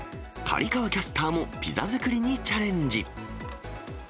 刈川キャスターもピザ作りにチャレンジ。